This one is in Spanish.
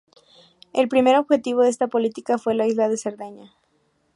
El primer objetivo de esta política fue la isla de Cerdeña.